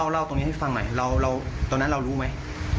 เล่าตรงนี้ให้ฟังหน่อยตอนนั้นเรารู้ไหม